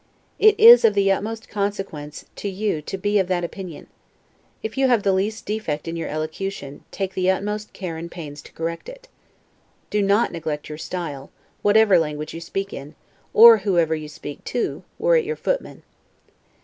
It is of the utmost consequence to you to be of that opinion. If you have the least defect in your elocution, take the utmost care and pains to correct it. Do not neglect your style, whatever language you speak in, or whoever you speak to, were it your footman.